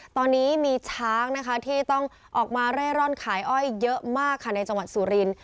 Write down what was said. ตอนนี้มีช้างนะคะที่ต้องออกมาเร่ร่อนขายอ้อยเยอะมากค่ะในจังหวัดสุริน